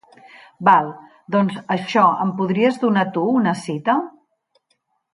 Val, doncs això em podries donar tu una cita?